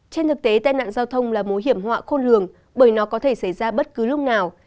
trên thực tế tai nạn giao thông là mối hiểm họa khôn lường bởi nó có thể xảy ra bất cứ lúc nào